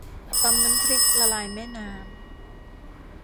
ตำน้ำพริกละลายแม่น้ำ